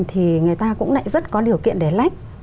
thì người ta cũng lại rất có điều kiện để lách